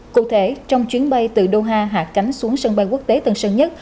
cụ thể trong chuyến bay từ doha hạ hạ cánh xuống sân bay quốc tế tân sơn nhất